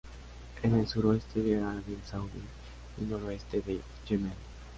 En el suroeste de Arabia Saudí y noroeste de Yemen.